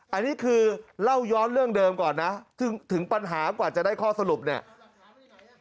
อันนี้คือเล่าย้อนเรื่องเดิมก่อนนะถึงปัญหากว่าจะได้ข้อสรุปเนี่ย